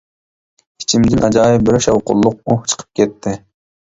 ئىچىمدىن ئاجايىپ بىر شاۋقۇنلۇق ئۇھ چىقىپ كەتتى.